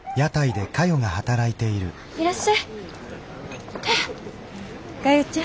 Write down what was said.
いらっしゃい。